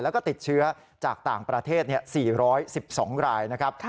แล้วก็ติดเชื้อจากต่างประเทศ๔๑๒รายนะครับ